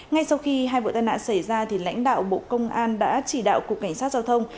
ngay sau khi hai vụ tai nạn xảy ra lãnh đạo bộ công an đã chỉ đạo cục cảnh sát giao thông